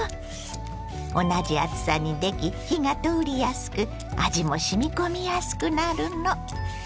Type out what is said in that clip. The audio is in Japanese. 同じ厚さにでき火が通りやすく味もしみ込みやすくなるの。